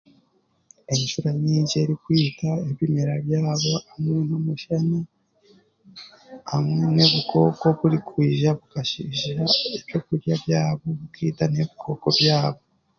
Enjura nyingi erikwita ebimera byabo hamwe n'omushana, hamwe n'obukooko oburikwija bukashiisha ebyokurya byabo, bukiita n'ebikoko byabo.